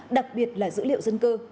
đặc biệt là dữ liệu dân cư